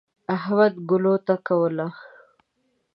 احمد ګلو نه کوله.